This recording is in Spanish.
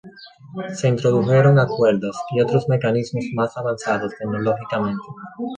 Se introdujeron acueductos y otros mecanismos más avanzados tecnológicamente.